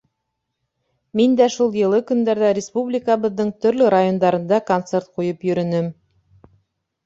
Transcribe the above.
Мин дә шул йылы көндәрҙә республикабыҙҙың төрлө райондарында концерт ҡуйып йөрөнөм.